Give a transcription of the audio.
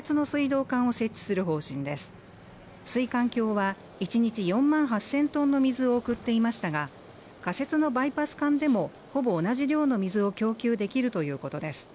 水管橋は１日４万８０００トンの水を送っていましたが仮設のバイパス間でもほぼ同じ量の水を供給できるということです